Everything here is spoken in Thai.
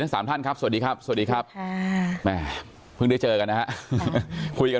สามท่านครับสวัสดีครับสวัสดีครับแม่เพิ่งได้เจอกันนะฮะคุยกัน